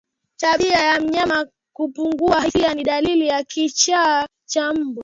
Tabia ya mnyama kupungua hisia ni dalili ya kichaa cha mbwa